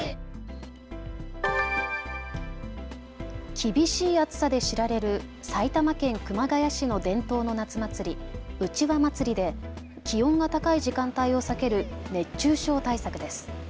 厳しい暑さで知られる埼玉県熊谷市の伝統の夏祭り、うちわ祭で気温が高い時間帯を避ける熱中症対策です。